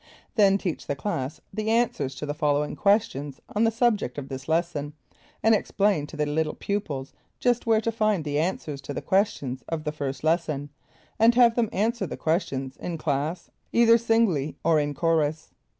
Then teach the class the answers to the following questions on the subject of this lesson, and explain to the little pupils just where to find the answers to the questions of the first lesson, and have them answer the questions in class either singly or in chorus.